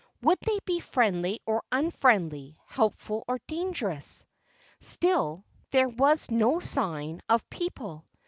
Would they be friendly or unfriendly, helpful or dangerous? Still there was no sign of people.